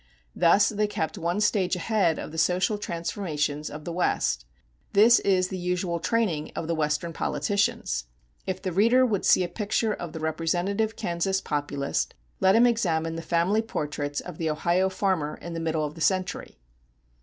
Thus they kept one stage ahead of the social transformations of the West. This is the usual training of the Western politicians. If the reader would see a picture of the representative Kansas Populist, let him examine the family portraits of the Ohio farmer in the middle of this century.